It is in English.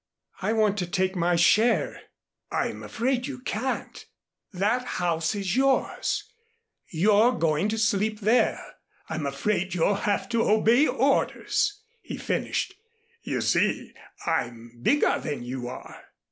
"I want to take my share." "I'm afraid you can't. That house is yours. You're going to sleep there. I'm afraid you'll have to obey orders," he finished. "You see, I'm bigger than you are."